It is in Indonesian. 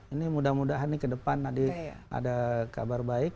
ini mudah mudahan ke depan ada kabar baik